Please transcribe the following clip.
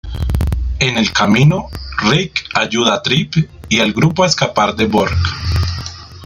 En el camino, Rick ayuda a Tripp y al grupo a escapar de Burke.